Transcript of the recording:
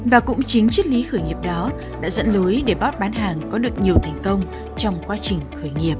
và cũng chính chất lý khởi nghiệp đó đã dẫn lối để bót bán hàng có được nhiều thành công trong quá trình khởi nghiệp